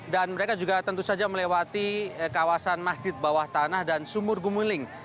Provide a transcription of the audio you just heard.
dan mereka juga tentu saja melewati kawasan masjid bawah tanah dan sumur gumuling